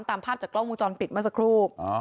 ตามภาพจากกล้องมูลจรปิดมาสักครูบ